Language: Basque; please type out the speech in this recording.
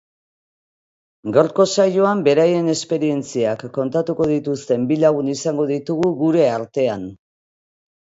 Gaurko saioan beraien esperientziak kontatuko dituzten bi lagun izango ditugu gure artean.